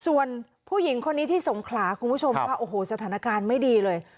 ส่วนผู้หญิงคนนี้ที่สงขลาคุณผู้ชมค่ะโอ้โหสถานการณ์ไม่ดีเลย